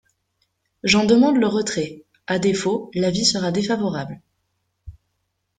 J’en demande le retrait ; à défaut, l’avis sera défavorable.